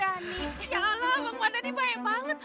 ya allah bang mardani baik banget